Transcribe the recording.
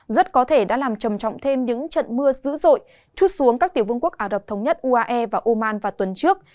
rất có thể đã làm trầm trọng thêm những trận mưa dữ dội chút xuống các tiểu vương quốc ả rập thống nhất uae và oman vào tuần trước